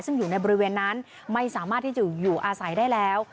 ซึ่งอยู่ในบริเวณนั้นไม่สามารถที่จะอยู่อาศัยได้แล้ว